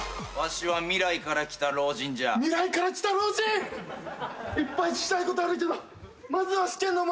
わしは未来から来た老人じゃ。